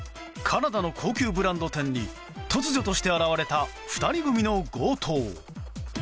カナダの高級ブランド店に突如として現れた２人組の強盗。